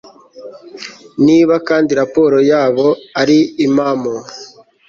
Niba kandi raporo yabo ari impamo